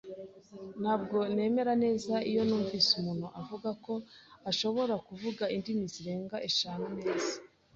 Ntabwo nemera neza iyo numvise umuntu avuga ko ashobora kuvuga indimi zirenga eshanu neza.